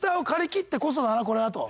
これはと。